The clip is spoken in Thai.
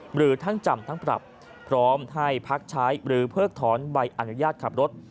หรือทั้งจำทั้งปรับพร้อมให้พักใช้หรือเพิกถอนใบอนุญาตขับรถ